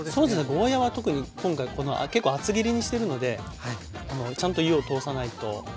ゴーヤーは特に今回結構厚切りにしてるのでちゃんと火を通さないと苦いってなっちゃったり。